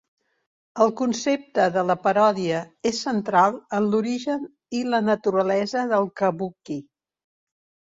El concepte de la paròdia és central en l'origen i la naturalesa del kabuki.